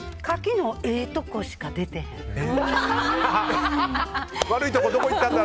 牡蠣のええとこしか出てへん。